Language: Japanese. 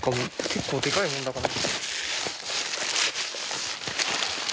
結構でかい物だから。